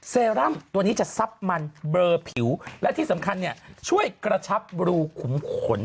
เซรั่มตัวนี้จะซับมันเบลอผิวและที่สำคัญเนี่ยช่วยกระชับรูขุมขน